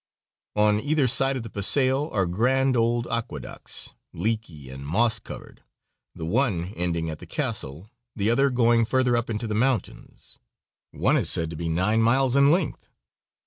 On either aide of the paseo are grand old aqueducts, leaky and moss covered, the one ending at the castle, the other going further up into the mountains. One is said to be nine miles in length.